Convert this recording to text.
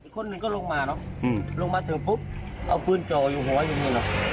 คนหนึ่งก็ลงมาเนอะอืมลงมาถึงปุ๊บเอาพื้นจ่อยอยู่หัวอยู่นี่เนอะ